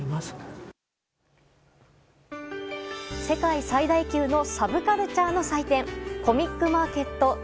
世界最大級のサブカルチャーの祭典コミックマーケット